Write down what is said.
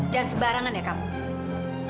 jangan sembarangan ya kamu